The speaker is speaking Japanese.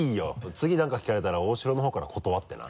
次何か聞かれたら大城の方から断ってな。